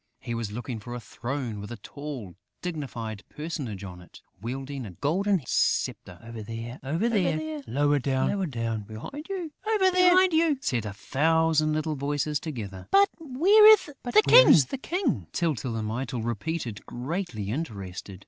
He was looking for a throne with a tall, dignified personage on it, wielding a golden sceptre. "Over there ... over there ... lower down ... behind you!" said a thousand little voices together. "But where is the King?" Tyltyl and Mytyl repeated, greatly interested.